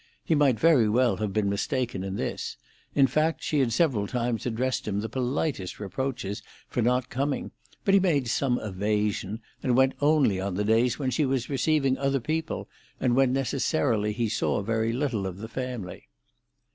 He might very well have been mistaken in this; in fact, she had several times addressed him the politest reproaches for not coming, but he made some evasion, and went only on the days when she was receiving other people, and when necessarily he saw very little of the family.